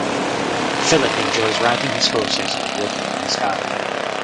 Philip enjoys riding his horses and working in his garden.